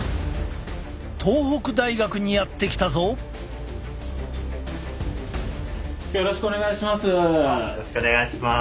東北大学にやって来たぞ！よろしくお願いします。